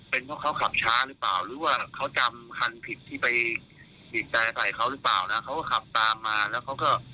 เป็นเพราะเขาขับช้าหรือเปล่าหรือว่าเขาจำคันผิดที่ไปบีบแต่ใส่เขาหรือเปล่านะเขาก็ขับตามมาแล้วเขาก็